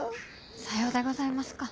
さようでございますか。